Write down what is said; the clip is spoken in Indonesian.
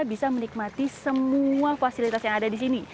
bisa menikmati semua fasilitas yang ada di sini